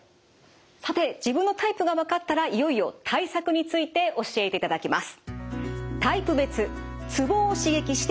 さて自分のタイプが分かったらいよいよ対策について教えていただきます。